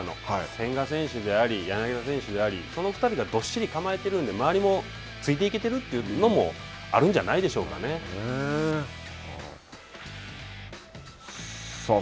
千賀選手であり、柳田選手でありその２人が、どっしり構えているので、周りもついていけてるというのもあるんじゃないでしょうかさあ、